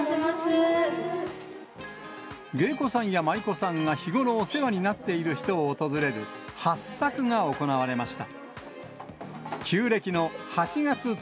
芸妓さんや舞妓さんが日頃お世話になっている人を訪れる、八朔が行われました。